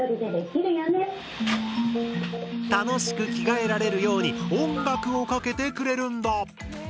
楽しく着替えられるように音楽をかけてくれるんだ。